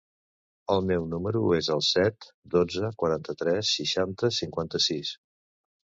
El meu número es el set, dotze, quaranta-tres, seixanta, cinquanta-sis.